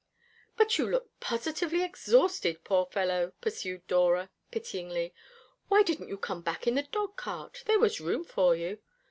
"But you look positively exhausted, poor fellow," pursued Dora pityingly. "Why didn't you come back in the dog cart? There was room for you."